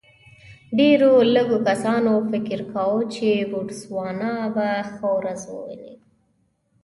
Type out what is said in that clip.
ډېرو لږو کسانو فکر کاوه چې بوتسوانا به ښه ورځ وویني.